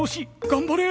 頑張れ！